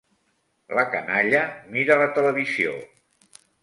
La canalla mira la televisió.